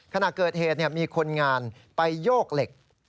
ขณะเกิดเหตุมีคนงานไปโยกเหล็ก